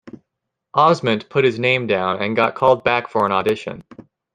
Osment put his name down and got called back for an audition.